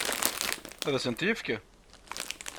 Ad asent-t-yefk?